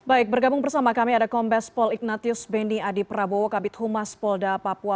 baik bergabung bersama kami ada kombes paul ignatius benny adiprabowo kabit humas polda papua